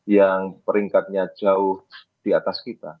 yang peringkatnya jauh di atas kita